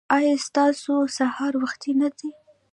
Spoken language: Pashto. ایا ستاسو سهار وختي نه دی؟